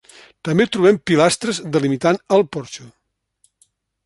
També trobem pilastres delimitant el porxo.